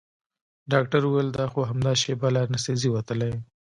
ډاکتر وويل دى خو همدا شېبه له انستيزي وتلى.